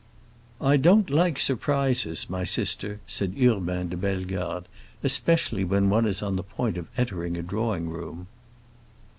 "I don't like surprises, my sister," said Urbain de Bellegarde; "especially when one is on the point of entering a drawing room."